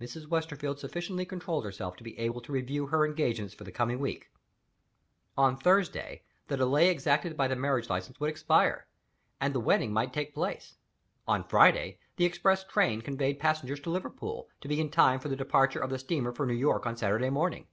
Mrs. Westerfield sufficiently controlled herself to be able to review her engagements for the coming week. On Thursday, the delay exacted by the marriage license would expire, and the wedding might take place. On Friday, the express train conveyed passengers to Liverpool, to be in time for the departure of the steamer for New York on Saturday morning.